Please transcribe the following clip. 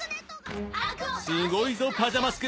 すごいぞパジャマスク